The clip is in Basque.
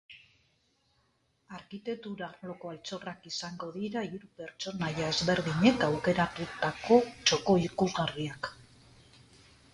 Arkitektura arloko altxorrak izango dira, hiru pertsonaia ezberdinek aukeratutako txoko ikusgarriak.